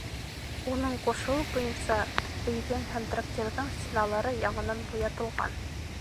Уның ҡушыуы буйынса өйҙөң һәм трактирҙың стеналары яңынан буятылған.